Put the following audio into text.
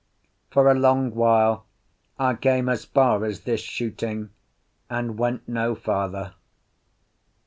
For a long while I came as far as this shooting, and went no farther.